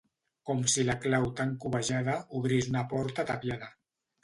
Com si la clau tan cobejada obrís una porta tapiada.